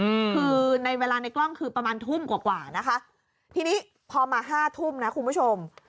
อืมคือในเวลาในกล้องคือประมาณทุ่มกว่ากว่านะคะทีนี้พอมาห้าทุ่มนะคุณผู้ชม